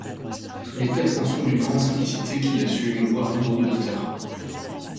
Les textes en sont d'une grande simplicité qui a su émouvoir nombre d'auditeurs.